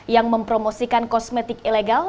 yang mempromosikan kosmetik ilegal